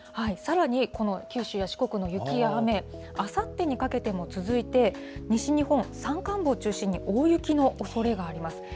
さらに、この九州や四国の雪や雨、あさってにかけても続いて、西日本、山間部を中心に大雪のおそれがあります。